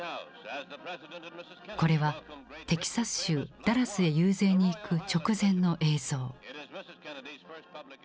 これはテキサス州ダラスへ遊説に行く直前の映像。